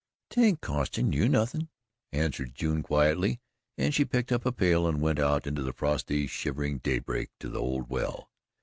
"'Tain't costin' you nothin'," answered June quietly, and she picked up a pail and went out into the frosty, shivering daybreak to the old well.